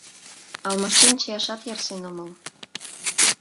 Алмаштен чияшат ярсен омыл.